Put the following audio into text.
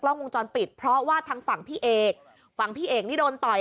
กล้องวงจรปิดเพราะว่าทางฝั่งพี่เอกฝั่งพี่เอกนี่โดนต่อย